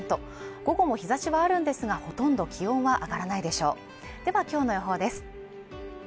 午後も日差しはあるんですがほとんど気温は上がらないでしょう